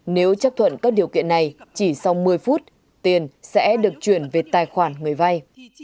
nếu chấp thuận các điều kiện này chỉ sau một mươi phút tiền sẽ được chuyển về tài khoản người vay